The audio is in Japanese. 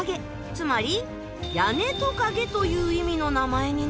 つまり屋根トカゲという意味の名前になるんです。